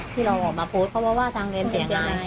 ที่เราออกมาโพสต์เขาว่าว่าทางเรียนเสียงหายและถามหน่อยสิคะ